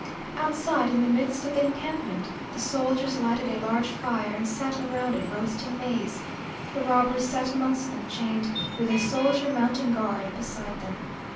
Outside, in the midst of the encampment, the soldiers lighted a large fire, and sat round it roasting maize. The robbers sat amongst them, chained, with a soldier mounting guard beside them.